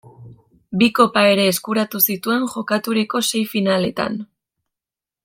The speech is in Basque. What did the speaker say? Bi kopa ere eskuratu zituen jokaturiko sei finaletan.